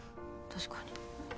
確かに。